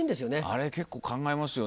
あれ結構考えますよね